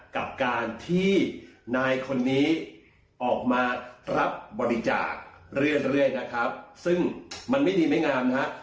กับการที่นายคนนี้ออกมารับบริจาคเรื่อยนะครับซึ่งมันไม่ดีไม่งามนะครับ